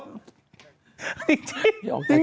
แบบหยั่นคนขับรถ